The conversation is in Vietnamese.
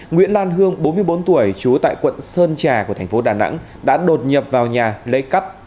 nguyễn lan hương bốn mươi bốn tuổi trú tại quận sơn trà của thành phố đà nẵng đã đột nhập vào nhà lấy cắp